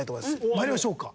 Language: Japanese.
まいりましょうか。